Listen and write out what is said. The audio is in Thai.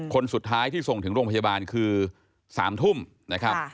คนสุดท้ายที่ส่งถึงโรงพยาบาลคือ๓ทุ่มนะครับ